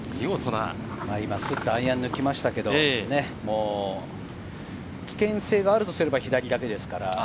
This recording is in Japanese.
アイアンを抜きましたけれども、危険性があるとすれば左だけです。